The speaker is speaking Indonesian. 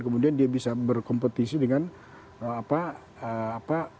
kemudian dia bisa berkompetisi dengan pemimpin pemimpin lainnya yang diperoleh